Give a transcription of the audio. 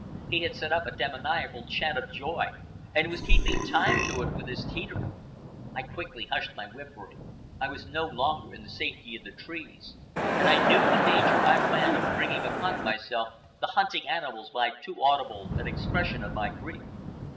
He had set up a demoniacal chant of joy and was keeping time to it with his teetering. I quickly hushed my whimpering. I was no longer in the safety of the trees, and I knew the danger I ran of bringing upon myself the hunting animals by too audible an expression of my grief.